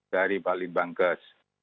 di bali bangkes